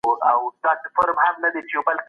ملنډي به د مومنانو ترمنځ نفاق پيدا کړي.